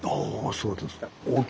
そうですか。